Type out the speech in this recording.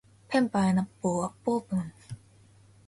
ペンパイナッポーアッポーペン